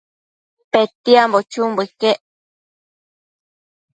Petiambo chumbo iquec